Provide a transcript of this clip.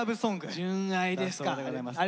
純愛ですか！